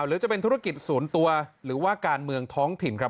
หรือจะเป็นธุรกิจศูนย์ตัวหรือว่าการเมืองท้องถิ่นครับ